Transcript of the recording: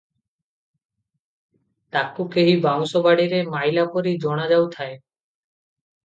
ତାକୁ କେହି ବାଉଁଶ ବାଡ଼ିରେ ମାଇଲା ପରି ଜଣାଯାଉଥାଏ ।"